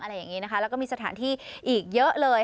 อะไรอย่างนี้นะคะแล้วก็มีสถานที่อีกเยอะเลย